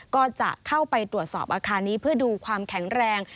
ก็จะเข้าไปตรวจสอบอาคารนี้เพื่อดูความแข็งแรง